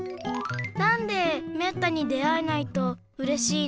なんでめったに出会えないとうれしいの？